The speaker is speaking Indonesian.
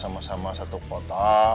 sama sama satu kota